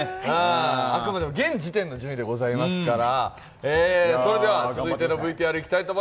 あくまでも現時点の順位でございますから。